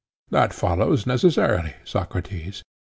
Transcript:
That follows necessarily, Socrates.